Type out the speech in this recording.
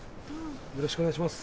よろしくお願いします。